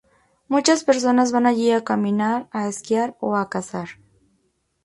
Muchas personas van allí a caminar, a esquiar o a cazar.